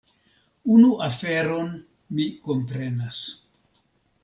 Unu aferon mi komprenas.